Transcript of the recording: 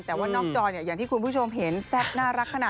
แต่ว่านอกจอเนี่ยอย่างที่คุณผู้ชมเห็นแซ่บน่ารักขนาด